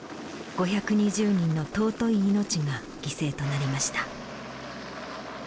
５２０人の尊い命が犠牲となりました。